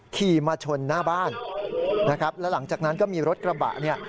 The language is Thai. ขี่มาชนหน้าบ้านนะครับแล้วหลังจากนั้นก็มีรถกระบะเนี่ย